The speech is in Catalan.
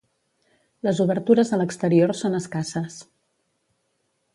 Les obertures a l'exterior són escasses.